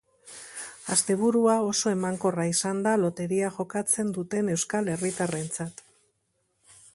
Asteburua oso emankorra izan da loteria jokatzen duten euskal herritarrentzat.